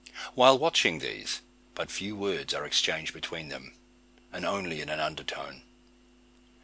While watching these, but few words are exchanged between them, and only in an under tone.